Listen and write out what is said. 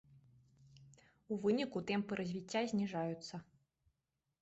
У выніку тэмпы развіцця зніжаюцца.